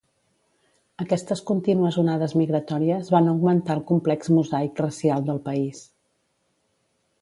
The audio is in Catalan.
Aquestes contínues onades migratòries van augmentar el complex mosaic racial del país.